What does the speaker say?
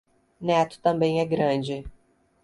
Neto também é grande